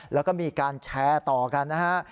แล้วก็มีการแชร์ต่อกันนะฮะ